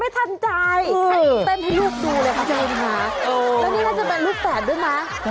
ไม่ทันใจใส่ตั้งแต่ลูกดูเลยค่ะใจไหมคะ